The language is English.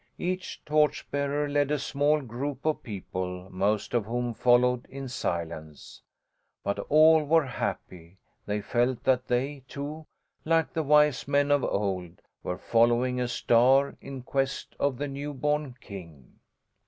Each torch bearer led a small group of people most of whom followed in silence; but all were happy; they felt that they, too, like the Wise Men of old, were following a star, in quest of the new born King.